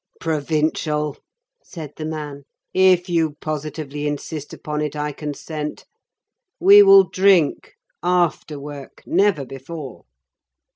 "Provincial," said the man, "if you positively insist upon it, I consent. We will drink. After work, never before."